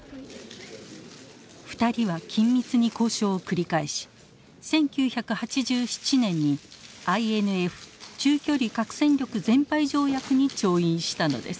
２人は緊密に交渉を繰り返し１９８７年にＩＮＦ中距離核戦力全廃条約に調印したのです。